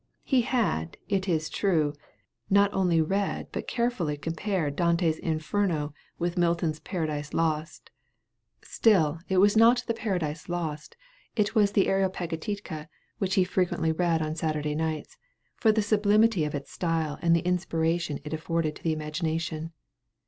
He had, it is true, not only read but carefully compared Dante's 'Inferno' with Milton's 'Paradise Lost'; still it was not the 'Paradise Lost,' it was the 'Areopagitica' which he frequently read on Saturday nights, for the sublimity of its style and the inspiration it afforded to the imagination.